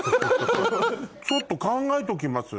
ちょっと考えときます。